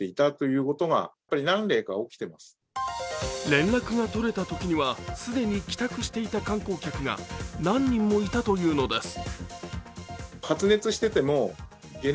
連絡が取れたときには既に帰宅していた観光客が何人もいたというのです。